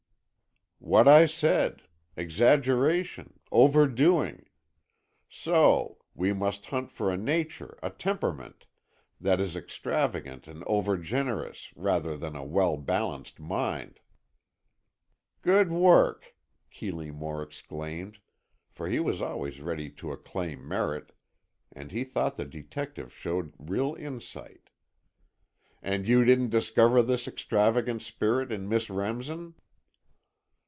"What I said. Exaggeration, overdoing. So, we must hunt for a nature, a temperament, that is extravagant and over generous, rather than a well balanced mind." "Good work," Keeley Moore exclaimed, for he was always ready to acclaim merit, and he thought the detective showed real insight. "And you didn't discover this extravagant spirit in Miss Remsen?"